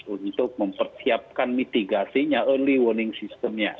untuk mempersiapkan mitigasinya early warning system nya